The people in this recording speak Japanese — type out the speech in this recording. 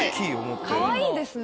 かわいいですね。